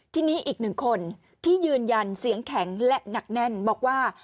ทีนี้อีกหนึ่งคนที่ยืนยันเสียงแข็งและหนักแน่นบอกว่า